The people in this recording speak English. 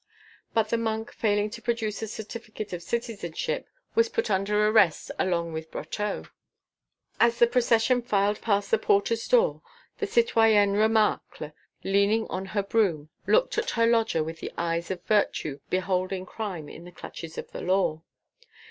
But the monk failing to produce a certificate of citizenship, was put under arrest along with Brotteaux. As the procession filed past the porter's door, the citoyenne Remacle, leaning on her broom, looked at her lodger with the eyes of virtue beholding crime in the clutches of the law.